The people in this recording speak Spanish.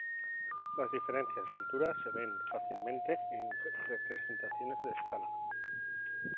Las diferencias de altura se ven fácilmente en representaciones de escala.